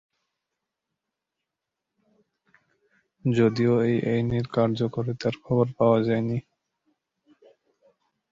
যদিও এই আইনের কার্যকারিতার খবর পাওয়া যায়নি।